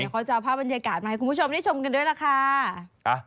เขาจะเอาภาพบรรยากาศมาให้คุณผู้ชมได้ชมกันด้วยล่ะค่ะ